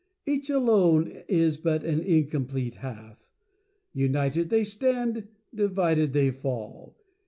Each, alone, is but an Incomplete Half. United they stand — divided they Fall.